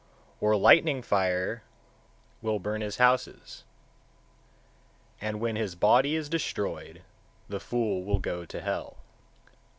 Or lightning fire will burn his houses; and when his body is destroyed, the fool will go to hell.